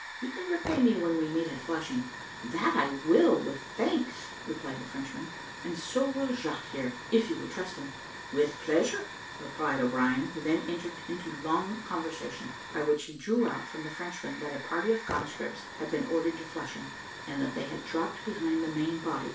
You can repay me when we meet at Flushing." "That I will, with thanks," replied the Frenchman, "and so will Jaques, here, if you will trust him." "With pleasure," replied O'Brien, who then entered into along conversation, by which he drew out from the Frenchmen that a party of conscripts had been ordered to Flushing, and that they had dropped behind the main body.